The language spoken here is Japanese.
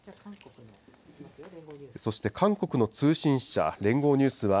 そして韓国の通信社、連合ニュースは、